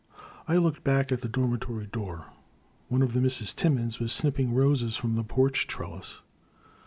*" I looked back at the dormitory door. One of the Misses Timmins was snipping roses from the porch trellis.